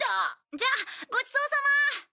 じゃあごちそうさま。